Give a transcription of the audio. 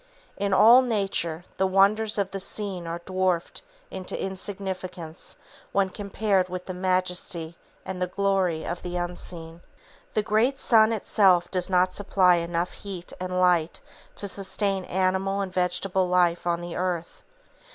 In all Nature the wonders of the "seen" are dwarfed into insignificance when compared with the majesty and glory of the "unseen." The great sun itself does not supply enough heat and light to sustain animal and vegetable life on the earth.